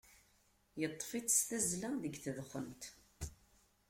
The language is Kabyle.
Yeṭṭef-itt s tazzla deg tedxent.